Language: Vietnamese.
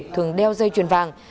thường đeo dây chuyền vàng